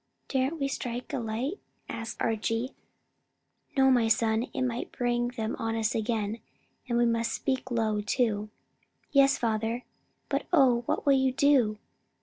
"Daren't we strike a light?" asked Archie. "No, my son, it might bring them on us again, and we must speak low too." "Yes, father; but oh what will you do?